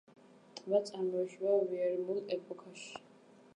ტბა წარმოიშვა ვიურმულ ეპოქაში.